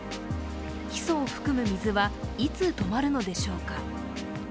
ヒ素を含む水は、いつ止まるのでしょうか。